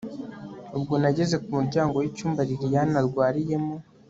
ubwo nageze kumuryango wicyumba lilian arwariyemo